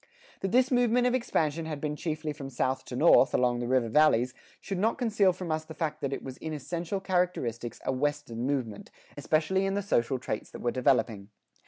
That this movement of expansion had been chiefly from south to north, along the river valleys, should not conceal from us the fact that it was in essential characteristics a Western movement, especially in the social traits that were developing.